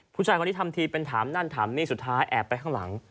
ผู้ชายคนนี้ทำทีเป็นถามนั่นถามนี่สุดท้ายแอบไปข้างหลัง